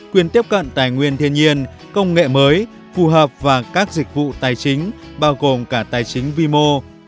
quyền tiếp cận tài nguyên thiên nhiên công nghệ mới phù hợp và các dịch vụ tài chính bao gồm cả tài chính vi mô